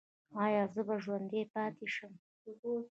ایا زه به ژوندی پاتې شم؟